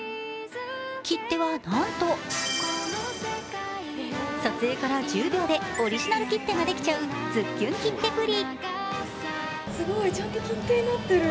切手はなんと、撮影から１０秒でオリジナル切手ができちゃう、ズッキュン切手プリ。